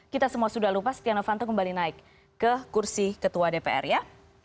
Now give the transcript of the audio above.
kita semua sudah lupa setia novanto kembali naik ke kursi ketua dpr ya